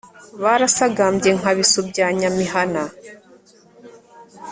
barasagambye nka bisu bya nyamihana